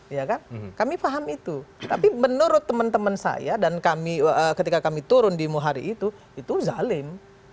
iya kan kami paham itu tapi menurut teman teman saya dan kami ketika kami turun di muhari itu itu zalim